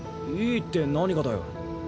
いいって何がだよ？